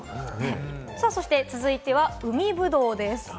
続いては海ぶどうです。